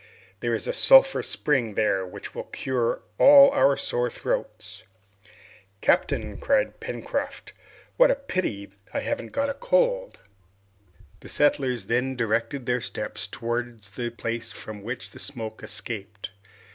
There is a sulphur spring there, which will cure all our sore throats." "Captain!" cried Pencroft. "What a pity that I haven't got a cold!" The settlers then directed their steps towards the place from which the smoke escaped.